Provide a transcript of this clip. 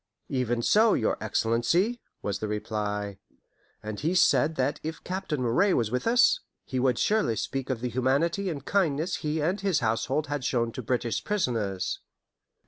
"Even so, your Excellency," was the reply; "and he said that if Captain Moray was with us, he would surely speak for the humanity and kindness he and his household had shown to British prisoners."